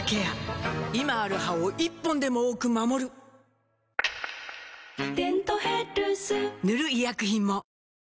今ある歯を１本でも多く守る「デントヘルス」塗る医薬品も